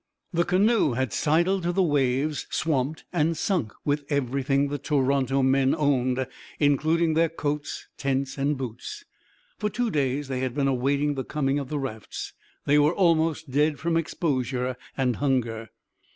The canoe had sidled to the waves, swamped, and sunk with everything the Toronto men owned, including their coats, tents, and boots. For two days they had been awaiting the coming of the rafts. They were almost dead from exposure and hunger.